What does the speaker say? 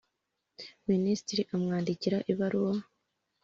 Minisitiri amwandikira ibaruwa